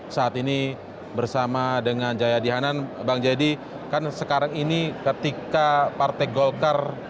saat ini bersama dengan jayadi hanan bang jayadi kan sekarang ini ketika partai golkar